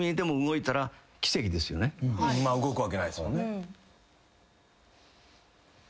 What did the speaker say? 動くわけないですもんね。